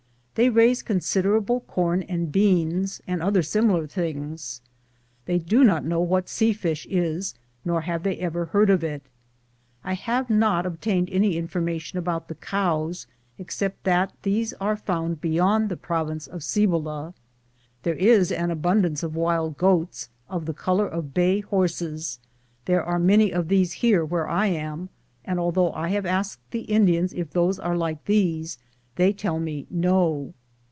They raise considerable corn and beans and other similar things. They do not know what sea fish is, nor have they ever heard of it. I have not obtained any information about the cows, except that these are found beyond the province of Cibola. There is a great abun dance of wild goats, of the color of bay horses; there are many of these here where I am, and although I have asked the Indians if those are like these, they tell me no.